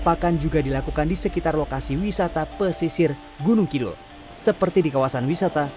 pakan juga dilakukan di sekitar lokasi wisata pesisir gunung kilo seperti di kawasan wisata